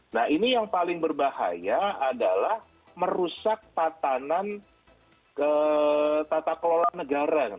nah ini yang paling berbahaya adalah merusak tatanan tata kelola negara